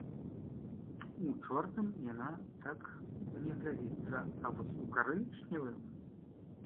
У чорным яна так не глядзіцца, а вось у карычневым!